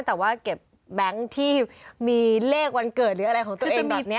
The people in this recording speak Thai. แต่ว่าเก็บแบงค์ที่มีเลขวันเกิดหรืออะไรของตัวเองแบบนี้